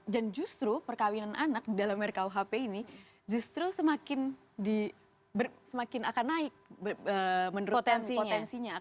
dan justru perkawinan anak di dalam rkuhp ini justru semakin akan naik menurut potensinya